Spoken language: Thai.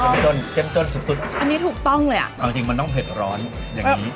เริ่มต้นเข้มข้นสุดสุดอันนี้ถูกต้องเลยอ่ะเอาจริงมันต้องเผ็ดร้อนอย่างงี้